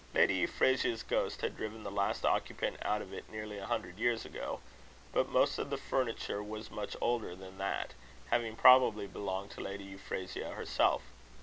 Lady Euphrasia's ghost had driven the last occupant out of it nearly a hundred years ago; but most of the furniture was much older than that, having probably belonged to Lady Euphrasia herself.